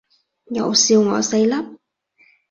又笑我細粒